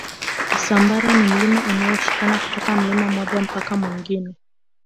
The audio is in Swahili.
usambara ni milima iliyoshikana kutoka mlima mmoja mpaka mwingine